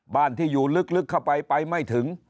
บ้านที่อยู่ลึกเข้าไปไปไม่ถึง